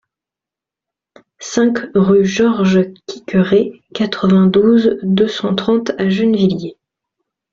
cinq rue Georges Quiqueré, quatre-vingt-douze, deux cent trente à Gennevilliers